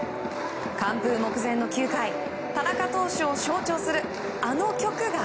完封目前の９回田中投手を象徴する、あの曲が。